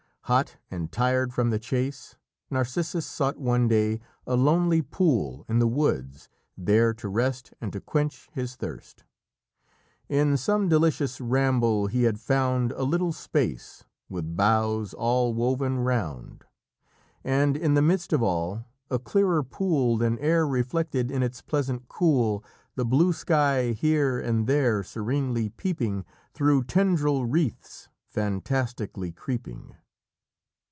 Hot and tired from the chase, Narcissus sought one day a lonely pool in the woods, there to rest and to quench his thirst. "In some delicious ramble, he had found A little space, with boughs all woven round; And in the midst of all, a clearer pool Than e'er reflected in its pleasant cool The blue sky here, and there, serenely peeping Through tendril wreaths fantastically creeping."